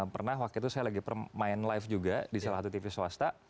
pernah waktu itu saya lagi main live juga di salah satu tv swasta